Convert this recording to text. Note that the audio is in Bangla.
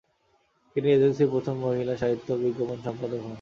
তিনি এজেন্সির প্রথম মহিলা সাহিত্য ও বিজ্ঞাপন সম্পাদক হন।